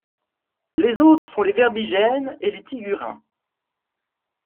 Les autres sont les Verbigènes et les Tigurins.